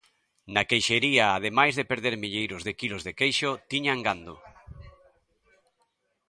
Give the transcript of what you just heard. Na queixería ademais de perder milleiros de quilos de queixo, tiñan gando.